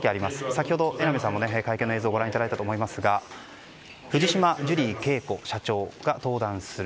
先ほど榎並さんも会見の様子ご覧いただいたと思いますが藤島ジュリー景子社長が登壇する。